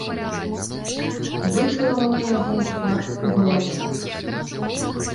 Выцалавала яго ў твар, у галаву.